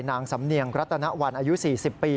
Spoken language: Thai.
นางสำเนียงรัตนวันอายุ๔๐ปี